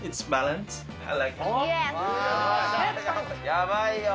やばいよ。